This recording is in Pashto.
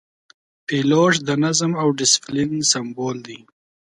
پیلوټ د نظم او دسپلین سمبول دی.